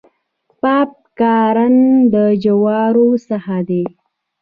پاپ کارن د جوارو څخه دی.